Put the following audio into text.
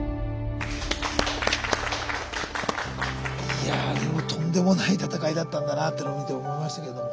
いやでもとんでもない闘いだったんだなってのを見て思いましたけれども。